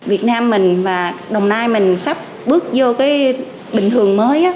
việt nam mình và đồng nai mình sắp bước vô cái bình thường mới